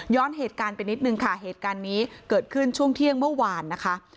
เหตุการณ์ไปนิดนึงค่ะเหตุการณ์นี้เกิดขึ้นช่วงเที่ยงเมื่อวานนะคะ